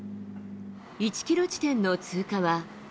１キロ地点の通過は。